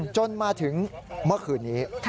จนมาถึงเมื่อคืนนี้